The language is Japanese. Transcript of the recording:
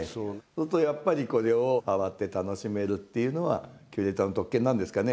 するとやっぱりこれを触って楽しめるっていうのはキュレーターの特権なんですかね？